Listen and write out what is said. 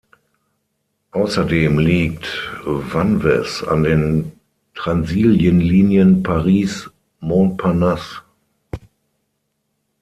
Außerdem liegt Vanves an den Transilien-Linien Paris Montparnasse.